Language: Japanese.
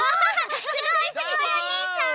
すごいすごいおねえさん！